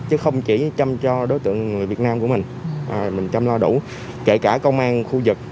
chứ không chỉ chăm cho đối tượng người việt nam của mình chăm lo đủ kể cả công an khu vực